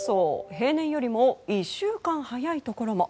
平年よりも１週間早いところも。